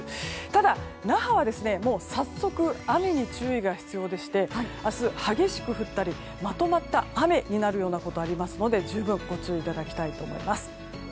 ただ、那覇は早速雨に注意が必要でして明日、激しく降ったりまとまった雨になるようなことがありますので十分ご注意いただきたいと思います。